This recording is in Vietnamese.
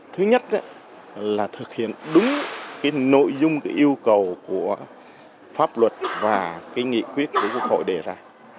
thứ nhất là thực hiện đúng cái nội dung yêu cầu của pháp luật và cái nghị quyết của quốc hội đề ra